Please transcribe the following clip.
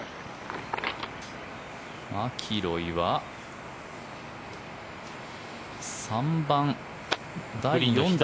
マキロイは３番、第４打。